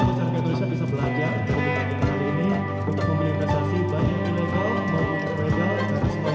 masyarakat indonesia bisa belajar untuk memiliki investasi banyak yang legal dan